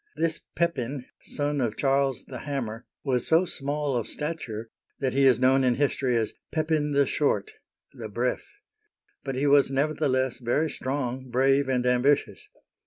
This Pepin, son of Charles the Hammer, was so small of stature that he is known in history as Pepin the Short {le Bref\ but he was neverthe less very strong, brave, and ambitious.